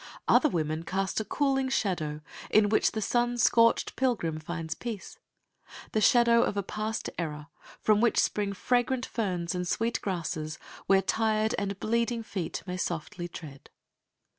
Other women cast a cooling shadow, in which the sun scorched pilgrim finds peace the shadow of a past error, from which spring fragrant ferns and sweet grasses, where tired and bleeding feet may softly tread.